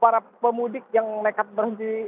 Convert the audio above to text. para pemudik yang nekat berhenti